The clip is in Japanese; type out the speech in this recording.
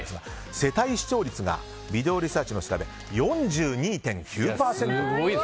世帯視聴率がビデオリサーチの調べで４２．９％。